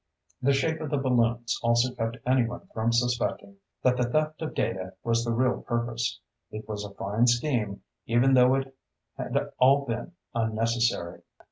The shape of the balloons also kept anyone from suspecting that the theft of data was the real purpose. It was a fine scheme, even though it had all been unnecessary.